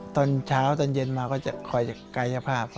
ตอนเช้าตอนเย็นมาก็จะคอยกายภาพ